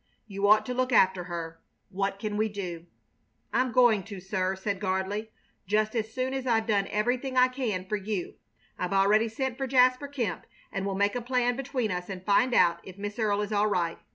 You ought to look after her. What can we do?" "I'm going to, sir," said Gardley, "just as soon as I've done everything I can for you. I've already sent for Jasper Kemp, and we'll make a plan between us and find out if Miss Earle is all right.